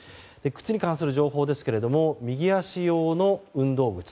靴に関する情報ですが右足用の運動靴。